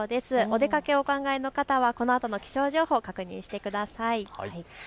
お出かけをお考えの方はこのあとの気象情報を確認してください。